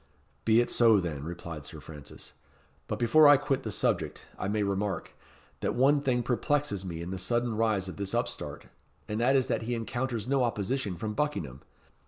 "Be it so, then," replied Sir Francis. "But before I quit the subject, I may remark, that one thing perplexes me in the sudden rise of this upstart, and that is that he encounters no opposition from Buckingham.